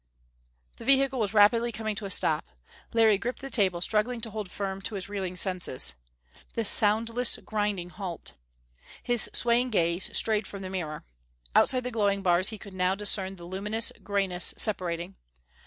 The vehicle was rapidly coming to a stop. Larry gripped the table, struggling to hold firm to his reeling senses. This soundless, grinding halt! His swaying gaze strayed from the mirror. Outside the glowing bars he could now discern the luminous greyness separating.